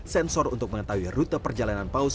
sensor untuk mengetahui rute perjalanan paus